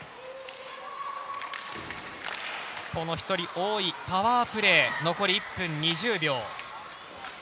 １人多いパワープレーは残り１分２０秒。